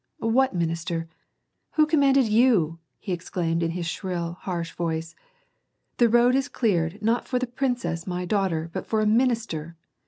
What minister ? Who commanded you ?" he exclaimed, in his shrill, harsh voice. " The road is cleared, not for the princess, my daughter, but for a minister